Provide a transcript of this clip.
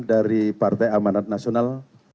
dari partai amanat nasional